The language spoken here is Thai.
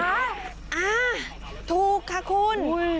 อ่าถูกค่ะคุณ